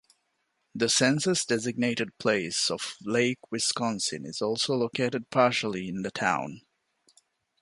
The census-designated place of Lake Wisconsin is also located partially in the town.